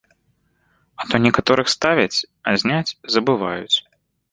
А то некаторых ставяць, а зняць забываюць.